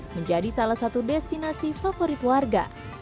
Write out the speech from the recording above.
menjadi salah satu destinasi favorit warga